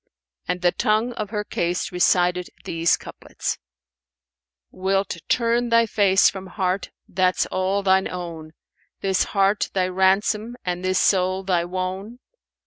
And the tongue of her case recited these couplets, "Wilt turn thy face from heart that's all thine own, * This heart thy ransom and this soul thy wone?